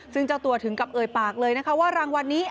ซึ่งเจ้าตัวถึงกับเอ่ยปากเลยนะคะว่ารางวัลนี้